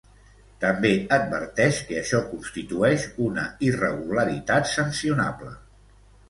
També adverteix que això constitueix una irregularitat sancionable.